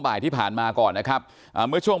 อยากให้สังคมรับรู้ด้วย